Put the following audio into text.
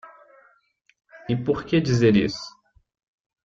E por que dizer isso?